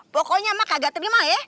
pokoknya mah kagak terima ya